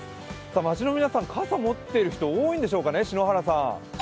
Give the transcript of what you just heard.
街の皆さん、傘を持っている人が多いんでしょうかね？